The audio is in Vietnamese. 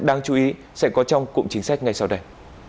đáng chú ý sẽ có trong cụm chính sách ngay sau đây